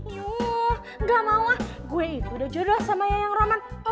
nggak mau lah gue itu udah jodoh sama yang yang roman